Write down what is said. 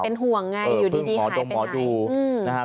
เป็นห่วงไงอยู่ดีหายไปไหน